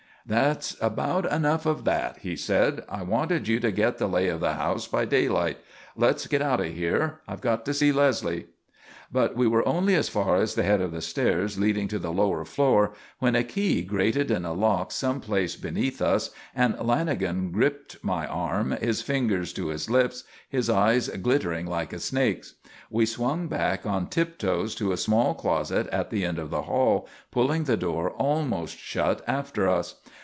"That's about enough of that," he said. "I wanted you to get the lay of the house by daylight. Let's get out of here. I've got to see Leslie." But we were only as far as the head of the stairs leading to the lower floor when a key grated in a lock some place beneath us and Lanagan gripped my arm, his finger to his lips, his eyes glittering like a snake's. We swung back on tiptoes to a small closet at the end of the hall, pulling the door almost shut after us.